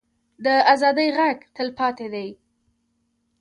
د ازادۍ غږ تلپاتې دی